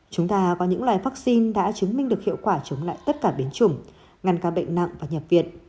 chúng ta có những loài vaccine đã chứng minh được hiệu quả chống lại tất cả biến chủng ngăn ca bệnh nặng và nhập viện